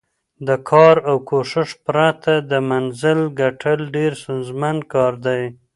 د کار او کوښښ پرته د منزل ګټل ډېر ستونزمن کار دی.